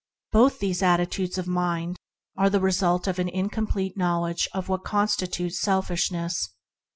Both these attitudes of mind are the result of an incomplete knowledge of what constitutes selfishness.